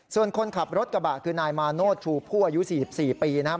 ส่วนคนขับรถกระบะคือนายมาโน้ตชูพั่วอายุสี่สี่ปีนะฮะ